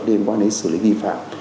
liên quan đến xử lý nghi phạm